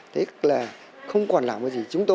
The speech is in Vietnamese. thế là không còn làm gì